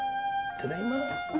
ただいま。